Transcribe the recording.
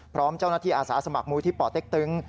พร้อมเจ้าหน้าที่อาสาสมัครมูลที่ป่อเต็กตึง